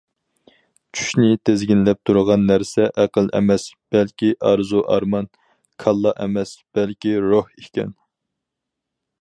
چۈشنى تىزگىنلەپ تۇرغان نەرسە ئەقىل ئەمەس، بەلكى ئارزۇ- ئارمان، كاللا ئەمەس، بەلكى روھ ئىكەن.